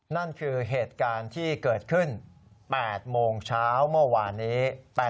นั่นคือเหตุการณ์ที่เกิดขึ้น๘โมงเช้าเมื่อวานนี้